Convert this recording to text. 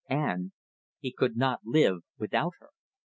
. and he could not live without her.